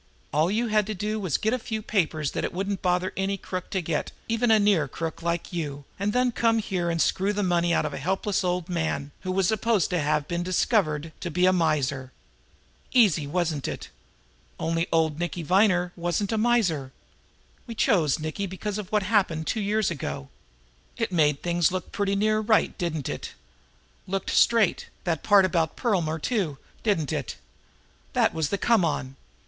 All you had to do was to get a few papers that it wouldn't bother any crook to get, even a near crook like you, and then come here and screw the money out of a helpless old man, who was supposed to have been discovered to be a miser. Easy, wasn't it? Only Nicky Viner wasn't a miser! We chose Nicky because of what happened two years ago. It made things look pretty near right, didn't it? Looked straight, that part about Perlmer, too, didn't it? That was the come on.